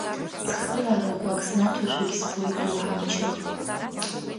Цхыраара ӷәӷәак снаҭошәагь збоит доуҳа мчык.